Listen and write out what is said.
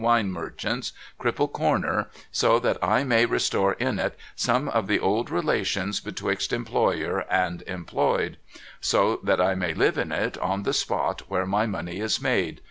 Wine Merchants, Cripple Corner, so that I may restore in it some of the old relations betwixt employer and employed ! So that I may live in it on the spot where my money is made